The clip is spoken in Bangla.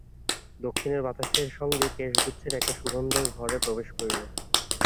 দক্ষিণের বাতাসের সঙ্গে কেশগুচ্ছের একটা সুগন্ধ ঘরে প্রবেশ করিল।